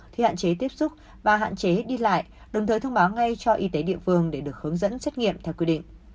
khi hạn chế tiếp xúc và hạn chế đi lại đồng thời thông báo ngay cho y tế địa phương để được hướng dẫn xét nghiệm theo quy định